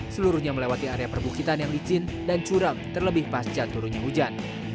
seluruhnya melewati area perbukitan yang licin dan curam terlebih pasca turunnya hujan